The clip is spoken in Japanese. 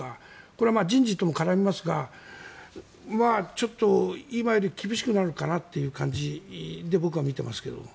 これは人事とも絡みますが今より厳しくなるのかなという感じで僕はみています。